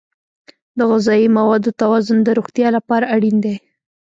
د غذایي موادو توازن د روغتیا لپاره اړین دی.